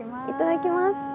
いただきます。